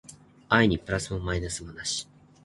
愛にプラスもマイナスもなし